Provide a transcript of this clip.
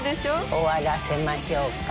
終わらせましょうか。